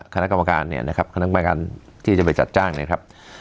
คณะกรรมการเนี่ยนะครับคณะกรรมการที่จะไปจัดจ้างเนี่ยครับ